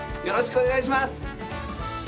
よろしくお願いします！